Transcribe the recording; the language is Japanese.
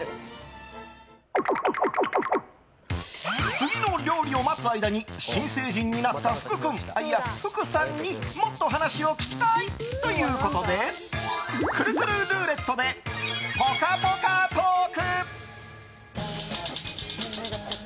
次の料理を待つ間に新成人になった福君いや福さんにもっと話を聞きたい！ということでくるくるルーレットでぽかぽかトーク！